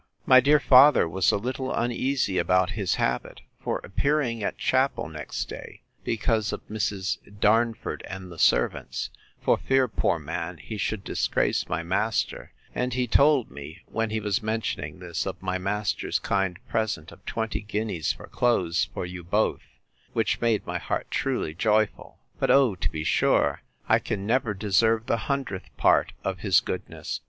My dear father was a little uneasy about his habit, for appearing at chapel next day, because of Misses Darnford and the servants, for fear, poor man, he should disgrace my master; and he told me, when he was mentioning this, of my master's kind present of twenty guineas for clothes, for you both; which made my heart truly joyful. But oh! to be sure, I can never deserve the hundredth part of his goodness!